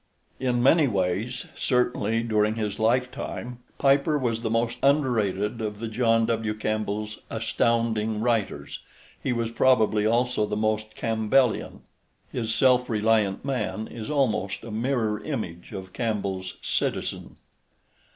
In many ways certainly during his lifetime Piper was the most underrated of the John W. Campbell's "Astounding" writers. He was probably also the most Campbellian; his self reliant man is almost a mirror image of Campbell's "Citizen."